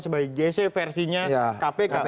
sebagai jc versinya kpk